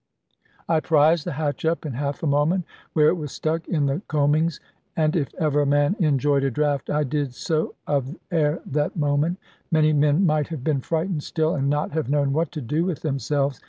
I prised the hatch up in half a moment, where it was stuck in the combings; and if ever a man enjoyed a draught, I did so of air that moment. Many men might have been frightened still, and not have known what to do with themselves.